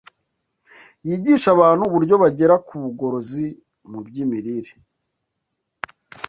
yigishe abantu uburyo bagera ku bugorozi mu by’imirire